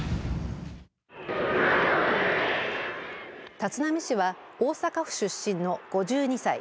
立浪氏は大阪府出身の５２歳。